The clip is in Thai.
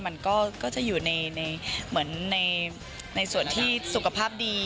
มันก็จะอยู่ในส่วนที่สุขภาพดี